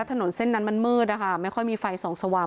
แล้วถนนเส้นนั้นมันมืดไม่ค่อยมีไฟสองสว่าง